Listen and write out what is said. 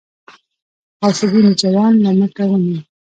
غوث الدين ځوان له مټه ونيو.